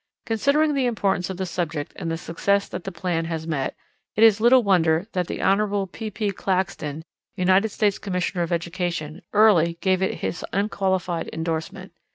_ Considering the importance of the subject and the success that the plan has met, it is little wonder that the Hon. P. P. Claxton, United States Commissioner of Education, early gave it his unqualified endorsement.